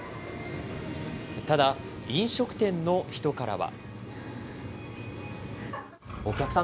ただ飲食店の人からは。